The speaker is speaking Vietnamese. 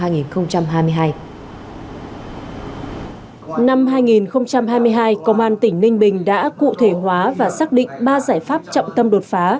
năm hai nghìn hai mươi hai công an tỉnh ninh bình đã cụ thể hóa và xác định ba giải pháp trọng tâm đột phá